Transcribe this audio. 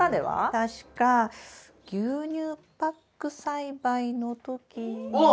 確か牛乳パック栽培の時に。え？